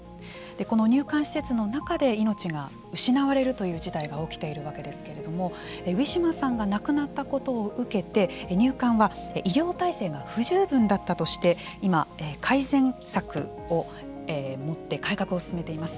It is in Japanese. この入管施設の中で命が失われるという事態が起きているわけですけれどもウィシュマさんが亡くなったことを受けて入管は医療体制が不十分だったとして今、改善策をもって改革を進めています。